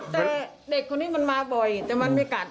แต่เด็กคนนี้มันมาบ่อยแต่มันไม่กัด